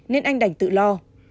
nên anh đành tự lo